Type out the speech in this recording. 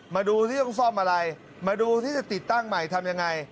มาดูซิต้องซ่อมอะไรมาดูที่จะติดตั้งใหม่ทำยังไง